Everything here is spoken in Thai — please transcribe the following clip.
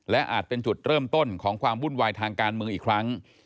และอาจเป็นจุดเริ่มต้นของความวุ่นวายทางการเมืองอีกครั้ง